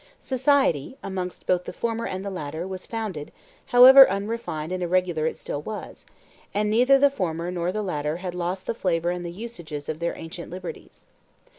Society, amongst both the former and the latter, was founded, however unrefined and irregular it still was; and neither the former nor the latter had lost the flavor and the usages of their ancient liberties.